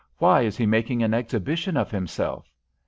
"Why is he making an exhibition of himself?"